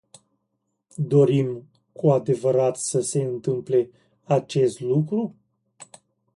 Dorim cu adevărat să se întâmple acest lucru?